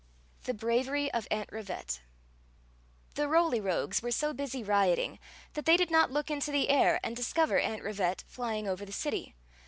THE BRAVERY OF AUNT RIVETTE. The Roly Rogues were so busy rioting that they did not look into the air and discover Aunt Rivette flyin«j over the city.